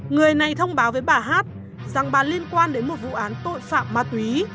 người này thông báo với bà hát rằng bà liên quan đến một vụ án tội phạm ma túy